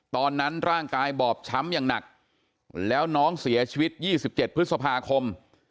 ตอนนั้นร่างกายบอบช้ำอย่างหนักแล้วน้องเสียชีวิต๒๗พฤษภาคม